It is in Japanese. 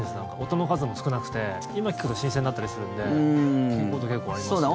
音の数も少なくて今、聴くと新鮮だったりするんで聴くこと、結構ありますね。